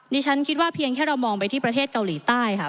ฉันคิดว่าเพียงแค่เรามองไปที่ประเทศเกาหลีใต้ค่ะ